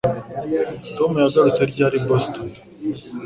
Tom yagarutse ryari i Boston?